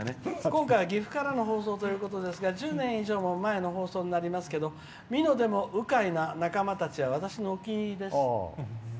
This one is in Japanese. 「今回は岐阜からの放送ということで１０年以上も前の放送になりますけど美濃でも鵜飼いな仲間たちは私のお気に入りです。